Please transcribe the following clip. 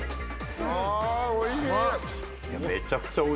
あおいしい。